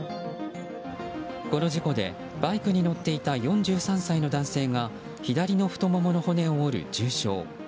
この事故でバイクに乗っていた４３歳の男性が左の太ももの骨を折る重傷。